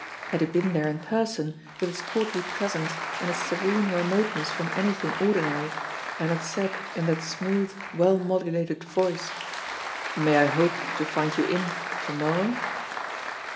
Had he been there in person, with his courtly presence and his serene remoteness from anything ordinary, and had said, in that smooth, well modulated, voice, "May I hope to find you in to morrow?"